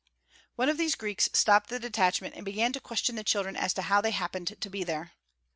One of these Greeks stopped the detachment and began to question the children as to how they happened to be there.